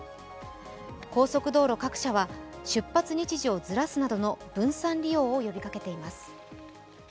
高速道路各社は出発日時をずらすなどの分散利用を呼びかけています。